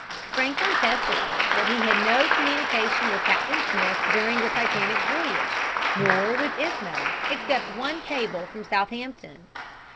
Franklin testified that he had had no communication with Captain Smith during the Titanic's voyage, nor with Ismay, except one cable from Southampton.